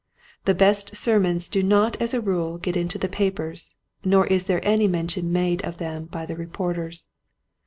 The best sermons do not as a rule get into the papers, nor is any mention made of them by the reporters.